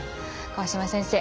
川島先生